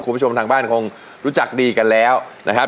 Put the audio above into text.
คุณผู้ชมทางบ้านคงรู้จักดีกันแล้วนะครับ